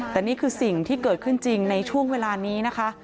แต่นี่คือสิ่งที่เกิดขึ้นจริงในช่วงเวลานี้นะคะ